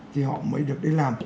thì họ mới được đi làm